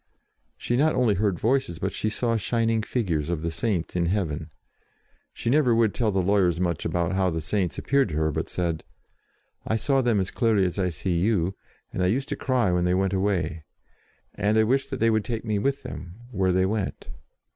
She not only heard Voices, but she saw shining figures of the Saints in heaven. She never would tell the lawyers much about how the Saints appeared to her, but said, " I saw them as clearly as I see you, and I used to cry when they went away. And I wished that they would take me with them where they went."